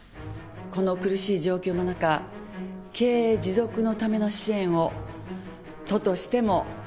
この苦しい状況の中経営持続のための支援を都としても検討しております。